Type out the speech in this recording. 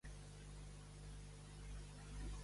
Em podries contar algun acudit?